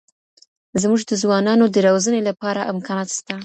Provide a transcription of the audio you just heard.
زموږ د ځوانانو د روزنې لپاره امکانات سته.